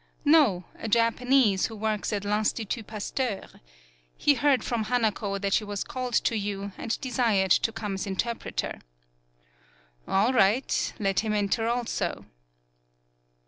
"No, a Japanese who works at L'ln stitut Pasteur. He heard from Hanako that she was called to you, and desired to come as interpreter." "All right. Let him enter also."